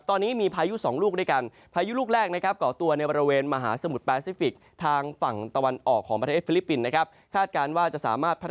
ตอนนี้มีพายุสองลูกด้วยกันพายุลูกแรกนะครับ